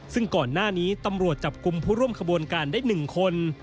ซึ่งก่อนหน้านี้ตำรวจจับกลุ่มผู้ร่วมขบวนการได้๑คน